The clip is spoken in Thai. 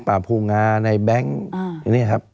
ป่าภูงาในแบงค์